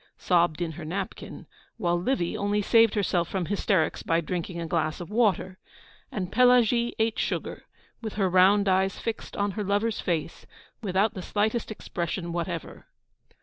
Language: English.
sobbed in her napkin; while Livy only saved herself from hysterics by drinking a glass of water, and Pelagie ate sugar, with her round eyes fixed on her lover's face, without the slightest expression whatever.